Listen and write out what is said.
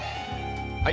はい。